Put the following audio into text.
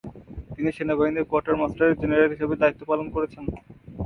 তিনি সেনাবাহিনীর quarter master general হিসেবে দায়িত্ব পালন করেছেন।